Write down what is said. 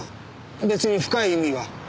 別に深い意味は。